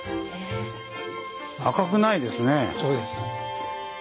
そうです。